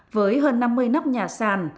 với hơn năm mươi nắp nhà sàn